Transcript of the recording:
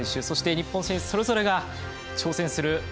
そして日本選手それぞれが挑戦する。